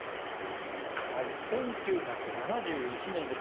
１９７１年です。